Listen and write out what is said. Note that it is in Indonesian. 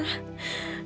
aku akan terus coba